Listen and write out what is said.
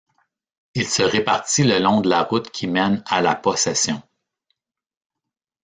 Il se répartit le long de la route qui mène à La Possession.